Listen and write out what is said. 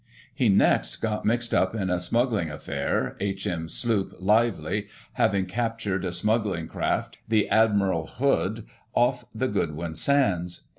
He next got mixed up in a smuggling affair, H.M. sloop Lively having captured a smuggling craft (the Admiral Hood) off the Goodwin Sands.